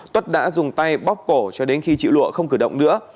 tuất đã dùng tay bóc cổ cho đến khi chịu lụa không cử động nữa